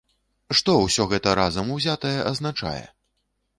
Што ўсё гэта разам узятае азначае?